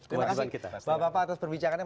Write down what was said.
terima kasih bapak bapak atas perbincangannya